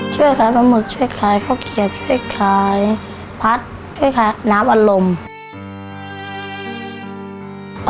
ช่วยขายปลาหมึกช่วยขายข้าวเขียบช่วยขายพัดช่วยน้ำอารมณ์